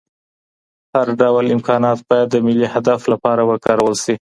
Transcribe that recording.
هر ډول امکانات باید د ملي هدف لپاره وکارول شي.